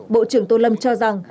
bộ trưởng tô lâm cho rằng